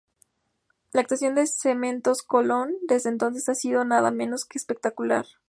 La actuación de Cementos Colón desde entonces ha sido nada menos que espectacular.